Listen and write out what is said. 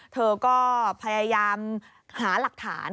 เธอก็พยายามหาหลักฐาน